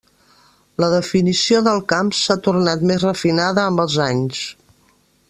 La definició del camp s'ha tornat més refinada amb els anys.